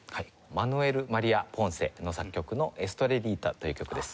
マヌエル・マリア・ポンセ作曲の『エストレリータ』という曲です。